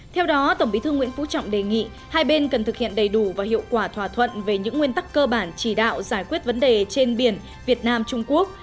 theo đó tổng bí thư nguyễn phú trọng đề nghị hai bên cần thực hiện đầy đủ và hiệu quả thỏa thuận về những nguyên tắc cơ bản chỉ đạo giải quyết vấn đề trên biển việt nam trung quốc